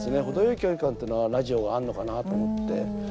程よい距離感っていうのがラジオはあるのかなと思って。